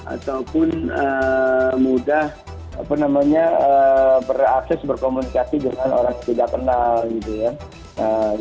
ataupun mudah berakses berkomunikasi dengan orang yang tidak kenal